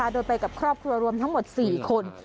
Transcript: โดยไปกับครอบครัวรวมทั้งหมด๔คน